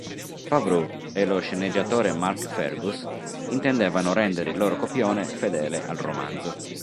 Favreau e lo sceneggiatore Mark Fergus intendevano rendere il loro copione fedele al romanzo.